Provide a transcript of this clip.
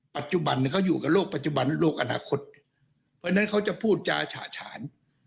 เพราะฉะนั้นเค้าจะพูดจาฉะฉาน